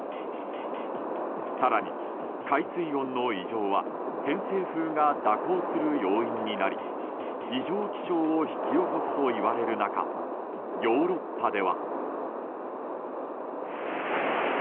更に海水温の異常は偏西風が蛇行する要因になり異常気象を引き起こすといわれる中ヨーロッパでは。